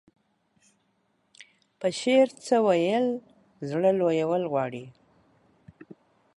په شعر څه ويل زړه لويول غواړي.